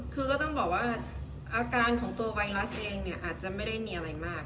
คือก็ต้องบอกว่าอาการของตัวไวรัสเองเนี่ยอาจจะไม่ได้มีอะไรมาก